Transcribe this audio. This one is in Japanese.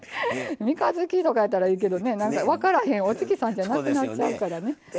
三日月とかやったらいいけどね何か分からへんお月さんじゃなくなっちゃうからね。